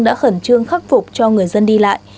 đã khẩn trương khắc phục cho người dân đi lại